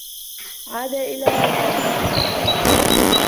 عاد إلى الرّوضة.